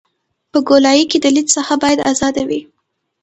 په ګولایي کې د لید ساحه باید ازاده وي